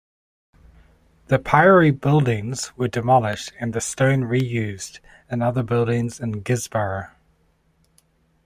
The priory buildings were demolished and the stone re-used in other buildings in Guisborough.